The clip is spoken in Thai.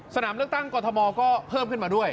สนามเลือกตั้งกรทมก็เพิ่มขึ้นมาด้วย